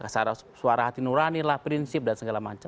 suara hati nurani laprinsip dan segala macam